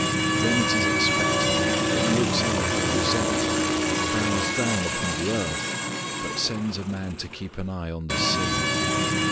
Then it is expectant. It looks out for the result. It bows down upon the earth, but sends a man to keep an eye on the sea.